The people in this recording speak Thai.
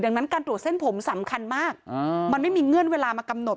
ดังนั้นการตรวจเส้นผมสำคัญมากมันไม่มีเงื่อนเวลามากำหนด